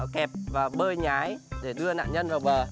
kẹp và bơi nhái để đưa nạn nhân vào bờ